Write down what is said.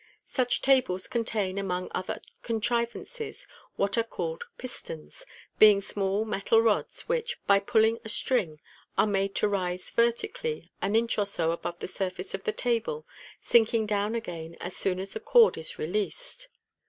Such tables Fig. 82. MODERN MAGIC. 18? contain, among other contrivances, what are called "pistons," being small metal rods, which, by pulling a string, are made to rise verti cally an inch or so above the surface of the table, sinking down again as soon as the cord is released.